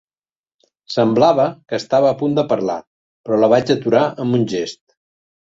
Semblava que estava a punt de parlar, però la vaig aturar amb un gest.